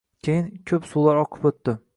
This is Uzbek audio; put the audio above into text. Keyin, ko’p suvlar oqib o’tdi.